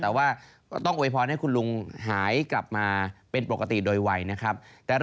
แต่ว่าก็ต้องโวยพรให้คุณลุงหายกลับมาเป็นปกติโดยไวนะครับ